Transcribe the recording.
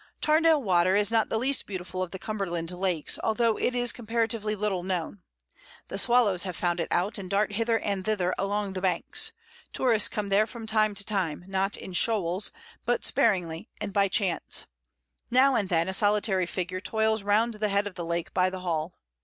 Tarndale Water is not the least beautiful of the Cumberland lakes, although it is comparatively little known. The swallows have found it out, and dart hither and thither along the banks; tourists come there from time to time, not in shoals, but sparingly and by chance; now and then a solitary figure toils round the head of the lake by the Hall.